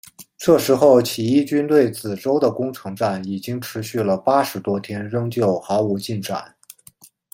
这时候起义军对梓州的攻城战已经持续了八十多天仍旧毫无进展。